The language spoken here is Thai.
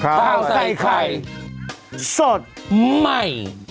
ข้าวใส่ไข่สดใหม่